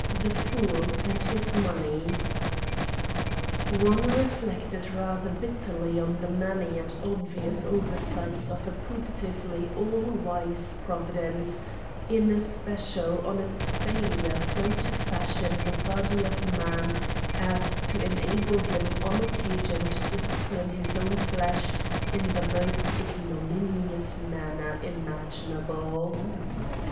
IV THE FOOL AND HIS MONEY One reflected rather bitterly on the many and obvious oversights of a putatively all wise Providence, in especial on its failure so to fashion the body of man as to enable him on occasion to discipline his own flesh in the most ignominious manner imaginable.